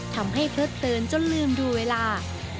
ทำให้เพลิดเตินจนลืมดูเวลา